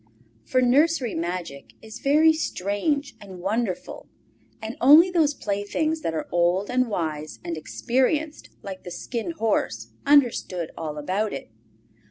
For nursery magic is very strange and wonderful, and only those playthings that are old and wise and experienced like the Skin Horse understand all about it.